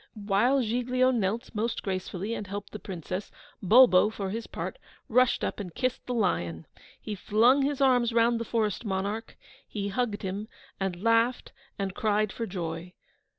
While Giglio knelt (most gracefully) and helped the Princess, Bulbo, for his part, rushed up and kissed the lion. He flung his arms round the forest monarch; he hugged him, and laughed and cried for joy.